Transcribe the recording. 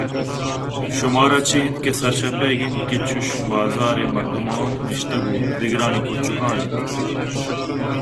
شمارا چے اِنت کہ سرشپ ئیگ اِنت کہ چوش بازا رءِ مردماں نشتگ ءُ دگرٛانی پچُکان اِت